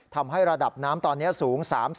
ทำให้ระดับน้ำตอนนี้สูง๓๐